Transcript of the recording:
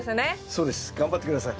そうです。頑張って下さい。